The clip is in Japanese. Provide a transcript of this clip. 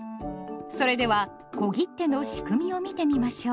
それでは小切手の仕組みを見てみましょう。